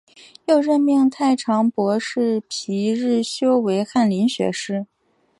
又任命太常博士皮日休为翰林学士。